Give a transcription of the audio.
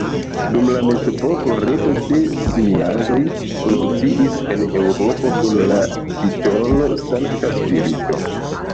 Dum la mezepoko reto de similaĵoj funkciis en Eŭropo kun la titolo Sankta Spirito.